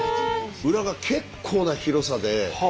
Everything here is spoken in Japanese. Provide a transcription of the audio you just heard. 裏が結構な広さで。